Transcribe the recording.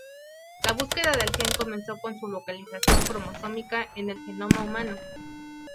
La búsqueda del gen comenzó con su localización cromosómica en el genoma humano.